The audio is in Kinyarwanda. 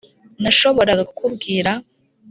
nashoboraga kukubwira